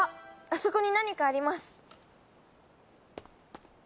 あそこに何かあります！